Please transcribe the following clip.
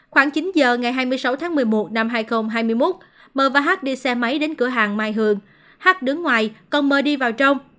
khoảng chín giờ ngày hai mươi sáu tháng một mươi một năm hai nghìn hai mươi một m và h đi xe máy đến cửa hàng mai hường h đứng ngoài còn m đi vào trong